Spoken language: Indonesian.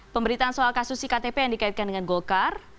pemberitaan soal kasus iktp yang dikaitkan dengan golkar